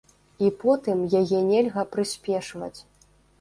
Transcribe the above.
І потым, яе нельга прыспешваць.